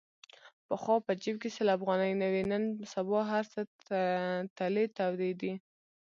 پخوا په جیب کې سل افغانۍ نه وې. نن سبا هرڅه تلې تودې دي.